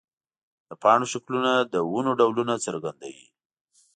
د پاڼو شکلونه د ونو ډولونه څرګندوي.